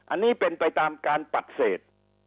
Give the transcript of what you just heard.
อันนี้เป็นไปตามการปฏิเสธ